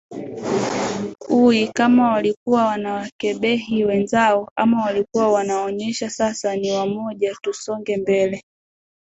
ui kama walikuwa wanawakebehi wenzao ama walikuwa wanaonyesha sasa ni wamoja tusonge mbele